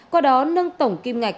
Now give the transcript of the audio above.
qua đó nâng tổng kim ngạch